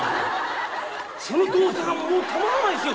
その動作がもうたまらないですよ。